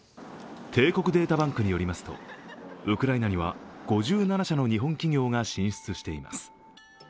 帝国データバンクによりますと、ウクライナには５７社の日本企業が進出しています。